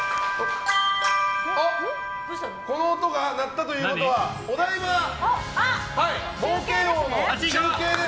この音が鳴ったということはお台場冒険王の中継です。